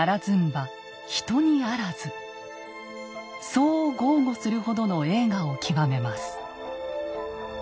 そう豪語するほどの栄華を極めます。